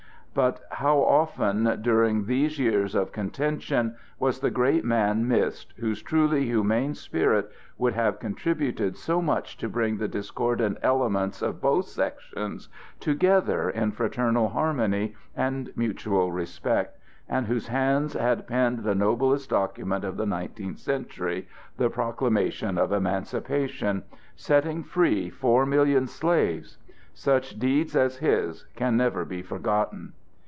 But how often during these years of contention, was the great man missed whose truly humane spirit would have contributed so much to bring the discordant elements of both sections together in fraternal harmony and mutual respect, and whose hands had penned the noblest document of the nineteenth century—the proclamation of emancipation—setting free four million slaves. Such deeds as his can never be forgotten.